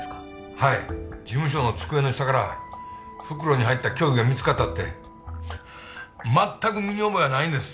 はい事務所の机の下から袋に入った凶器が見つかったってまったく身に覚えはないんです